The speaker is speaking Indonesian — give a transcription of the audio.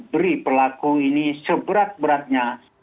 beri pelaku ini seberat beratnya